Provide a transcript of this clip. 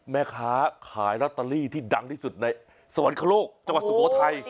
แม่ค้าขายลอตเตอรี่ที่ดังที่สุดในสวรรคโลกจังหวัดสุโขทัย